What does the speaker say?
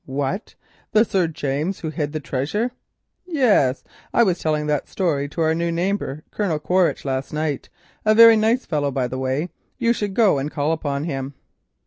"What! the Sir James who hid the treasure?" "Yes. I was telling that story to our new neighbour, Colonel Quaritch, last night—a very nice fellow, by the way; you should go and call upon him."